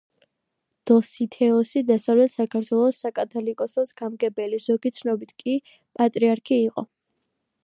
დოსითეოსი დასავლეთ საქართველოს საკათალიკოსოს გამგებელი, ზოგი ცნობით კი პატრიარქი იყო.